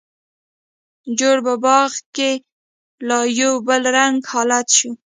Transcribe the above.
جوړ په باغ کې لا یو بل رنګه حالت شو.